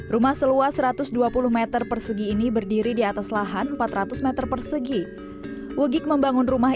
rumah seluas satu ratus dua puluh m persegi ini berdiri di atas lahan empat ratus m persegi wgik membangun rumah